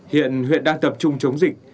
hiện huyện đang tập trung chống dịch